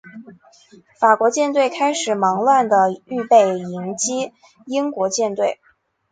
法国舰队开始忙乱地预备迎击英国舰队。